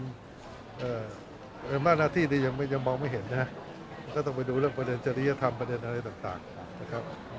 อำนาจหน้าที่นี้ยังมองไม่เห็นนะก็ต้องไปดูเรื่องประเด็นจริยธรรมประเด็นอะไรต่างนะครับ